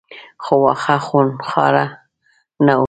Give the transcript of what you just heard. خو واښه خونخواره نه وو.